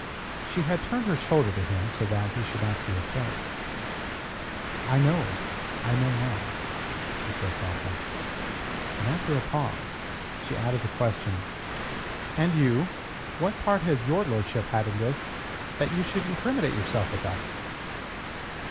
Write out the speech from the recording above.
She had turned her shoulder to him so that he should not see her face. "I know. I know now," she said softly. Then after a pause she added the question: "And you? What part has your lordship had in this that you should incriminate yourself with us?"